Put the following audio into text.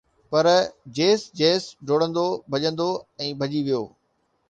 پر جيس جيس ڊوڙندو، ڀڄندو ۽ ڀڄي ويو